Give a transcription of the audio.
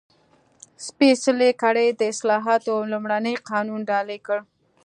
سپېڅلې کړۍ د اصلاحاتو لومړنی قانون ډالۍ کړ.